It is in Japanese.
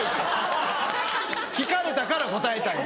聞かれたから答えたんや。